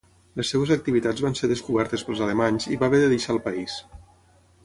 Les seves activitats van ser descobertes pels alemanys i va haver de deixar el país.